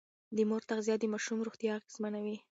د مور تغذيه د ماشوم روغتيا اغېزمنوي.